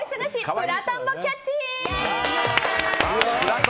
プラトンボキャッチ。